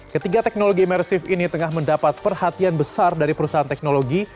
ketiga teknologi imersif ini tengah mendapat perhatian besar dari perusahaan teknologi